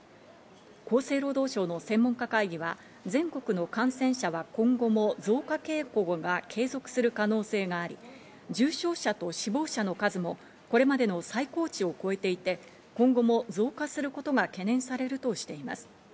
厚生労働省の専門家会議は全国の感染者は今後も増加傾向が継続する可能性があり、重症者と死亡者の数もこれまでの最高値を超えていて、今後も増加することが懸念されるとしています。